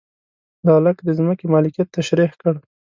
لاک د ځمکې مالکیت تشرېح کړ.